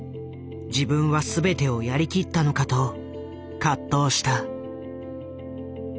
「自分は全てをやりきったのか」と葛藤した。